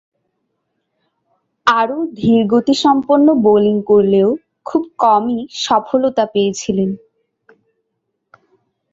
আরও ধীরগতিসম্পন্ন বোলিং করলেও খুব কমই সফলতা পেয়েছিলেন।